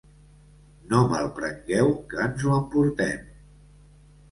No malprengueu que ens ho emportem.